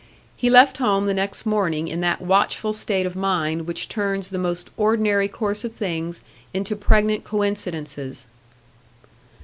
He left home the next morning in that watchful state of mind which turns the most ordinary course of things into pregnant coincidences.